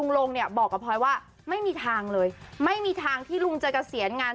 มีงานติดต่อเข้ามามากเลยโดยเฉพาะงานละครซิสคอมต่าง